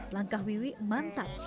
langkah wiwi mantap